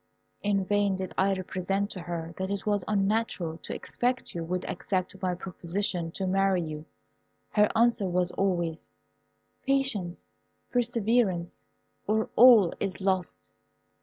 In vain did I represent to her it was unnatural to expect you would accept my proposition to marry you. Her answer was always, "Patience, perseverance, or all is lost."